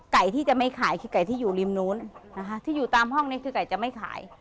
ไก่ที่จะไม่ขายคือไก่ที่อยู่ริมนู้นนะคะที่อยู่ตามห้องนี้คือไก่จะไม่ขาย